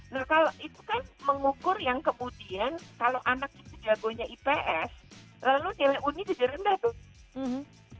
nah kalau itu kan mengukur yang kemudian kalau anak itu jagonya ips lalu nilai uni jadi rendah dong